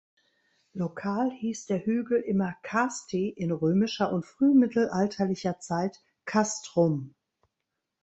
Lokal hiess der Hügel immer "casti", in römischer und frühmittelalterlicher Zeit "castrum".